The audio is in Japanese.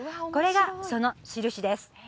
これがその印です